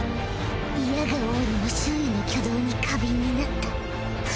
否が応にも周囲の挙動に過敏になった